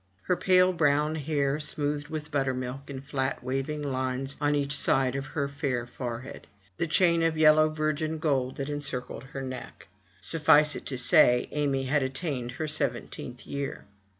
Her pale brown hair smoothed with buttermilk in flat waving lines on each side of her fair forehead, the chain of yellow virgin gold, that encircled her neck. Suffice it to say. Amy had attained her seventeenth year.